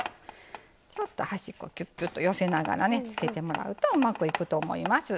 ちょっと端っこキュッキュッと寄せながらねつけてもらうとうまくいくと思います。